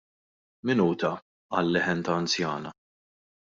" Minuta, " qal leħen ta' anzjana.